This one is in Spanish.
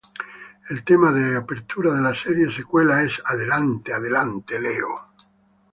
El tema de apertura de la serie secuela es "Adelante Adelante Leo!